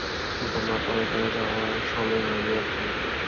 তোমার পরকালে যাওয়ার সময় হয়নি এখনও।